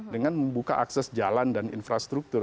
dengan membuka akses jalan dan infrastruktur